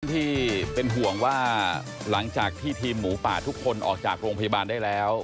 ที่เป็นห่วงว่าหลังจากที่ทีมหมูป่าทุกคนออกจากโรงพยาบาลได้แล้ว